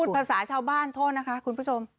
ภาษาชาวบ้านโทษนะคะคุณผู้ชม